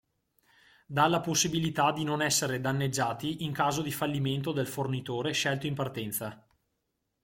Dà la possibilità di non essere danneggiati in caso di fallimento del fornitore scelto in partenza.